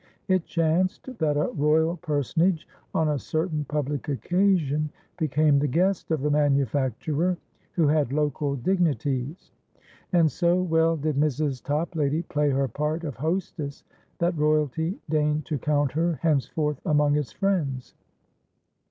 It chanced that a Royal Personage, on a certain public occasion, became the guest of the manufacturer, who had local dignities; and so well did Mrs. Toplady play her part of hostess that Royalty deigned to count her henceforth among its friends.